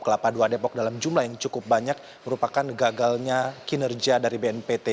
kelapa dua depok dalam jumlah yang cukup banyak merupakan gagalnya kinerja dari bnpt